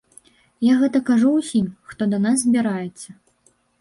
Я гэта кажу ўсім, хто да нас збіраецца.